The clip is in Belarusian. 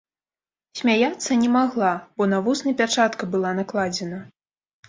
Смяяцца не магла, бо на вусны пячатка была накладзена.